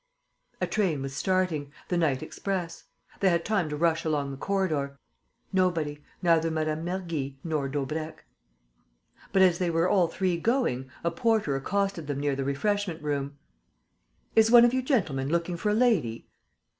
A train was starting, the night express. They had time to rush along the corridor. Nobody ... neither Mme. Mergy nor Daubrecq.... But, as they were all three going, a porter accosted them near the refreshment room: "Is one of you gentlemen looking for a lady?"